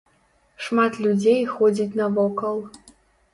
Шмат людзей ходзіць навокал.